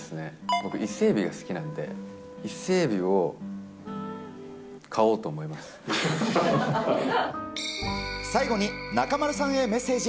僕、伊勢エビが好きなんで、最後に中丸さんへメッセージ。